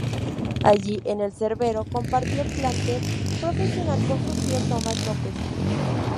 Allí en el Cervecero, compartió plantel profesional con su tío Tomás López.